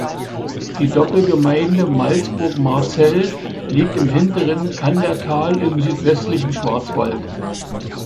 Die Doppelgemeinde Malsburg-Marzell liegt im hinteren Kandertal im südwestlichen Schwarzwald.